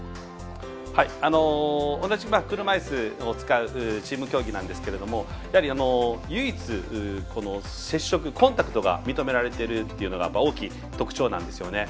同じ車いすを使うチーム競技なんですけれどもやはり、唯一接触、コンタクトが認められてるっていうのが大きい特徴なんですよね。